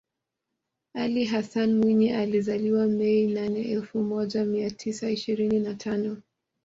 Ali Hassan Mwinyi alizaliwa Mei nane elfu moja mia tisa ishirini na tano